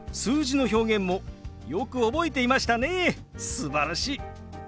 すばらしい！